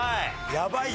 やばいよ。